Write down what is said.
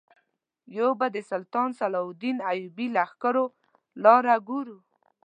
یو به د سلطان صلاح الدین ایوبي لښکرو لاره ګورو.